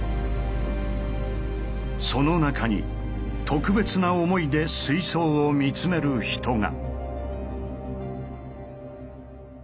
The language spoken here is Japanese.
その中に特別な思いで水槽を見つめる人が。